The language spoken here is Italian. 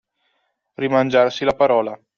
Rimangiarsi la parola.